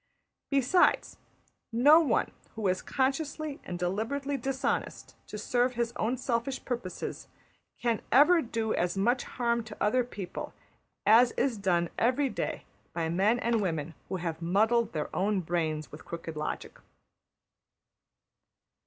Besides, no one who is consciously and deliberately dishonest to serve his own selfish purposes can ever do as much harm to other people as is done every day by men and women who have muddled their own brains with crooked logic.